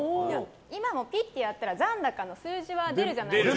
今もピッとやったら残高の数字は出るじゃないですか。